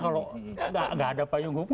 kalau nggak ada payung hukum